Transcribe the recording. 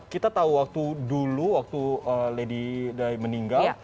kita tahu waktu dulu waktu lady meninggal